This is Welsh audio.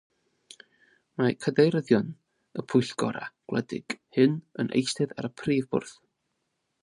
Mae cadeiryddion y pwyllgorau gwledig hyn yn eistedd ar y prif Bwrdd.